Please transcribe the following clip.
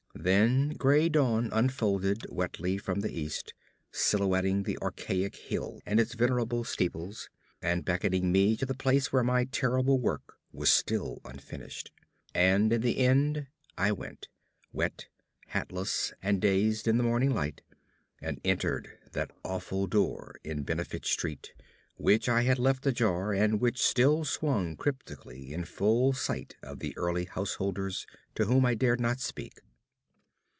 Then gray dawn unfolded wetly from the east, silhouetting the archaic hill and its venerable steeples, and beckoning me to the place where my terrible work was still unfinished. And in the end I went, wet, hatless, and dazed in the morning light, and entered that awful door in Benefit Street which I had left ajar, and which still swung cryptically in full sight of the early householders to whom I dared not speak.